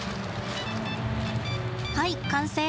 はい完成！